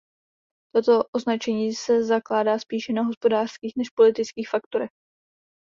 Toto označení se zakládá spíše na hospodářských než politických faktorech.